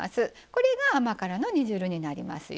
これが甘辛の煮汁になりますよ。